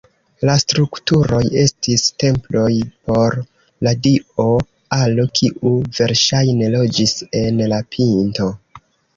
La strukturoj estis temploj por la dio Alo, kiu verŝajne loĝis en la pinto.